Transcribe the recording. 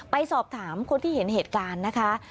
ไปสอบถามคนที่เห็นเหตุการณ์นะคะ